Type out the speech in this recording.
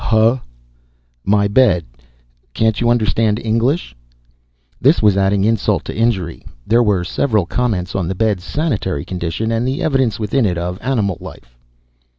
"Huh?" "My bed. Can't you understand English?" This was adding insult to injury. There were several comments on the bed's sanitary condition and the evidence within it of animal life.